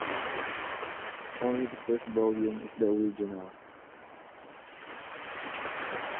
Only the first volume is the original.